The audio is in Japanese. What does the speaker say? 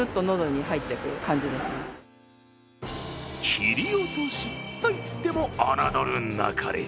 切り落としといっても、侮るなかれ。